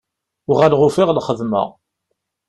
Uɣaleɣ ufiɣ lxedma.